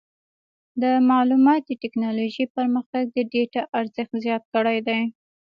د معلوماتي ټکنالوجۍ پرمختګ د ډیټا ارزښت زیات کړی دی.